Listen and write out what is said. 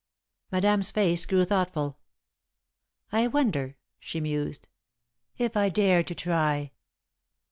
Madame's face grew thoughtful. "I wonder," she mused, "if I dare to try!"